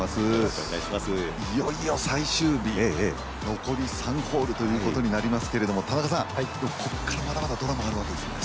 いよいよ最終日、残り３ホールということになりますけれどもここからまだまだドラマが生まれますよね？